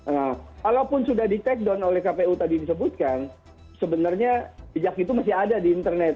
nah kalaupun sudah di take down oleh kpu tadi disebutkan sebenarnya jejak itu masih ada di internet